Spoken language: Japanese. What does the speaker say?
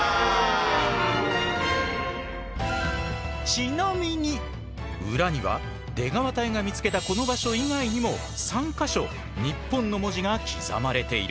ちなみに裏には出川隊が見つけたこの場所以外にも３か所「ＮＩＰＰＯＮ」の文字が刻まれている。